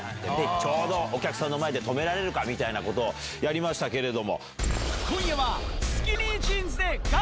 ちょうどお客さんの前で止められるかをやりましたけど。